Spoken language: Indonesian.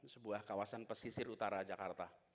sebuah kawasan pesisir utara jakarta